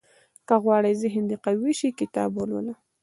• که غواړې ذهن دې قوي شي، کتاب ولوله.